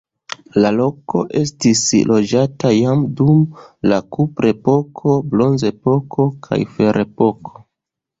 La loko estis loĝata jam dum la kuprepoko, bronzepoko kaj ferepoko.